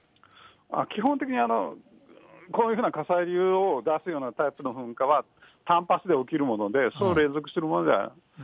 基本的に、こういうふうな火砕流を出すようなタイプの噴火は、単発で起きるもので、そう連続するものでは。